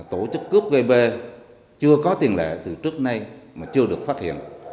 mà tổ chức cướp gây bê chưa có tiền lệ từ trước nay mà chưa được phát hiện